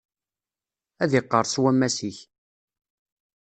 Ad iqqerṣ wammas-ik.